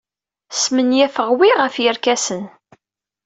Smenyafeɣ wi ɣef yerkasen.